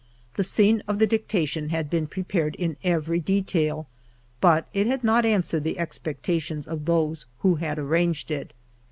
The scene of the dictation had been prepared in every detail ; but it had not answered the expectations of those who had arranged it.